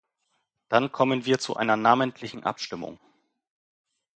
Dann kommen wir zu einer namentlichen Abstimmung.